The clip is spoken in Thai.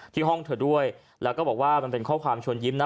ที่ห้องเธอด้วยแล้วก็บอกว่ามันเป็นข้อความชวนยิ้มนะ